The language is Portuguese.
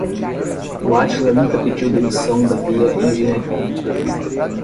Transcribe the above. O Átila nunca pediu demissão da Via Engenharia.